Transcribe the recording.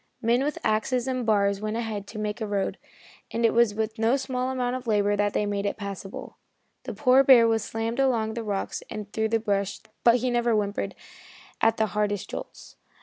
Men with axes and bars went ahead to make a road, and it was with no small amount of labor that they made it passable. The poor old bear was slammed along over the rocks and through the brush, but he never whimpered at the hardest jolts.